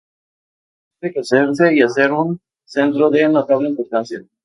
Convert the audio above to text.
Llegó a enriquecerse y a ser un centro de notable importancia.